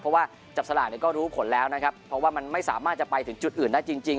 เพราะว่าจับสลากเนี่ยก็รู้ผลแล้วนะครับเพราะว่ามันไม่สามารถจะไปถึงจุดอื่นได้จริง